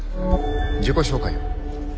自己紹介を。